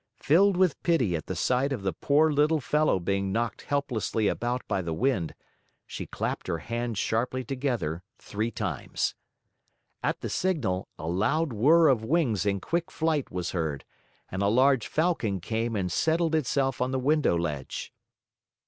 Filled with pity at the sight of the poor little fellow being knocked helplessly about by the wind, she clapped her hands sharply together three times. At the signal, a loud whirr of wings in quick flight was heard and a large Falcon came and settled itself on the window ledge.